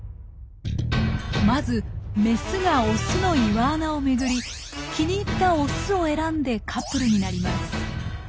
まずメスがオスの岩穴を巡り気に入ったオスを選んでカップルになります。